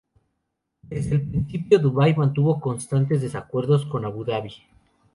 Desde el principio, Dubái mantuvo constantes desacuerdos con Abu Dhabi.